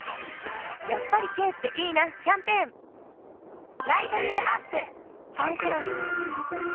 やっぱり軽っていいなキャンペーン「ファンクロス」